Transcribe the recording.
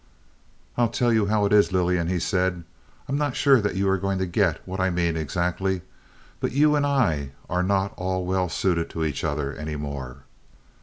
"I'll tell you how it is, Lillian," he said; "I'm not sure that you are going to get what I mean exactly, but you and I are not at all well suited to each other any more."